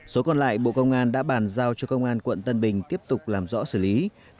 số còn lại bộ công an đã bàn giao cho công an quận tân bình tiếp tục làm rõ xử lý